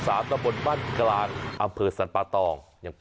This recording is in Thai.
ต้องบนบ้านกราลบนที่๓อำเภอสันปะตอง